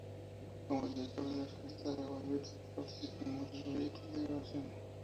Como director de orquesta, Leibowitz participó en muchos proyectos de grabación.